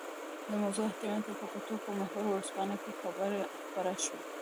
د موضوع اهمیت ته په کتو په محور ورځپاڼه کې خپره شوې.